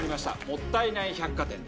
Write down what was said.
『もったいない百貨店』です。